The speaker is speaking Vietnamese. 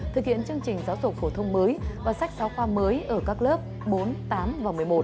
thực hiện chương trình giáo dục phổ thông mới và sách giáo khoa mới ở các lớp bốn tám và một mươi một